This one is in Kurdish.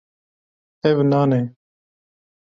Ev nan e.